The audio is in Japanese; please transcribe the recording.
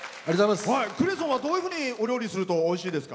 クレソンはどういうふうにお料理するとおいしいですか？